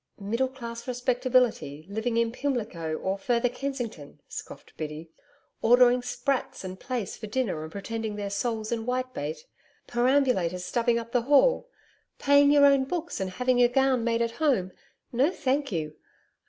'Middle class respectability living in Pimlico or further Kensington,' scoffed Biddy. 'Ordering sprats and plaice for dinner and pretending they're soles and whitebait. Perambulators stuffing up the hall; paying your own books and having your gown made at home! No, thank you.